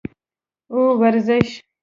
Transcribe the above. او ورزش